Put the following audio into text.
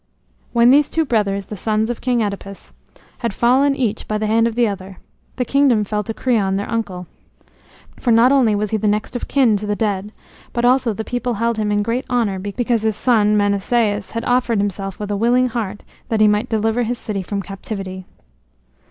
When these two brothers, the sons of King Œdipus, had fallen each by the hand of the other, the kingdom fell to Creon, their uncle. For not only was he the next of kin to the dead, but also the people held him in great honor because his son Menœceus had offered himself with a willing heart that he might deliver his city from captivity.